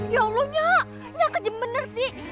ya allah nyok nya kejem bener sih